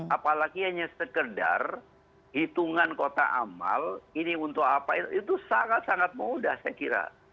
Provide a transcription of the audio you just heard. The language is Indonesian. apalagi hanya sekedar hitungan kotak amal ini untuk apa itu sangat sangat mudah saya kira